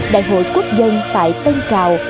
đại hội quốc dân tại tân trào